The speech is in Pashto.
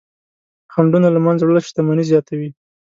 خنډونه له منځه وړل شتمني زیاتوي.